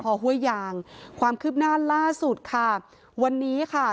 พอห้วยยางความคืบหน้าล่าสุดค่ะวันนี้ค่ะ